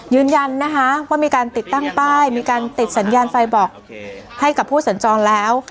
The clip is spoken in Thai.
ยืนยันนะคะว่ามีการติดตั้งป้ายมีการติดสัญญาณไฟบอกให้กับผู้สัญจรแล้ว